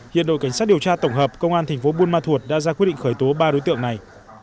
hiện đội cảnh sát điều tra tổng hợp công an thành phố buôn ma thuột đã ra quyết định khởi tố ba đối tượng này